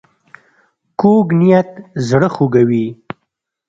کوږ نیت زړه خوږوي